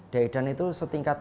daidan itu setingkat